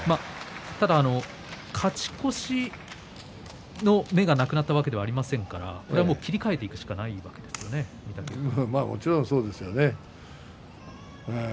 ただ、勝ち越しの目がなくなったわけではありませんから、これは切り替えていくしかもちろんそうですよね。